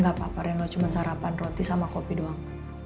gak apa apa reno cuma sarapan roti sama kopi doang